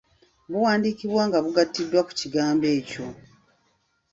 Buwandiikibwa nga bugattiddwa ku kigambo ekyo.